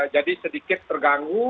jadi sedikit terganggu